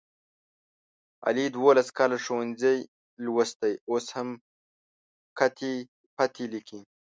علي دوولس کاله ښوونځی لوستی اوس هم کتې پتې لیکي.